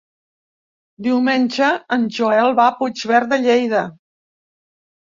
Diumenge en Joel va a Puigverd de Lleida.